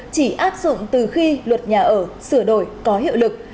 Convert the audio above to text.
chỉ áp dụng từ khi luật nhà ở sửa đổi có hiệu lực